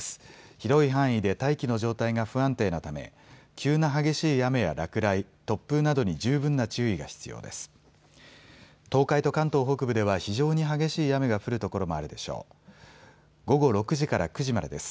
広い範囲で大気の状態が不安定なため急な激しい雨や落雷、突風などに十分な注意が必要です。